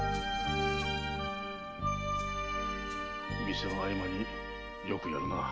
店の合間によくやるな。